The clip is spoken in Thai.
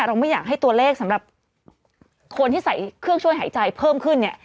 เราไม่อยากให้ตัวเลขสำหรับคนที่ใส่เครื่องช่วยหายใจเพิ่มขึ้นเนี่ย